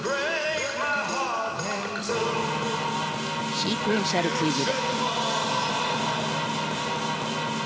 シークエンシャルツイズル。